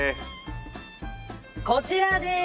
こちらです。